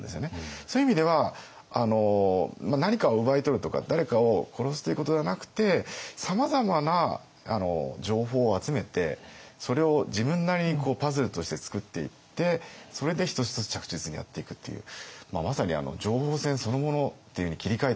そういう意味では何かを奪い取るとか誰かを殺すということではなくてさまざまな情報を集めてそれを自分なりにパズルとして作っていってそれで一つ一つ着実にやっていくっていうまさに情報戦？